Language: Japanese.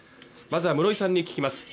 まずは室井さんに聞きます